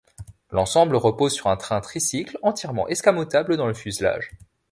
L’ensemble repose sur un train tricycle entièrement escamotable dans le fuselage.